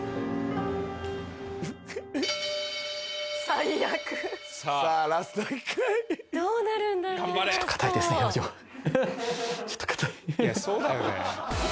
最悪さあラスト１回どうなるんだろう？